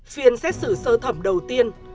phiền xét xử sơ thẩm đầu tiên